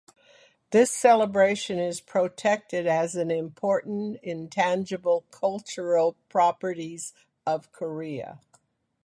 This celebration is protected as an Important Intangible Cultural Properties of Korea.